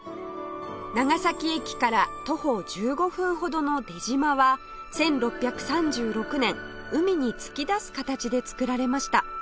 長崎駅から徒歩１５分ほどの出島は１６３６年海に突き出す形で造られました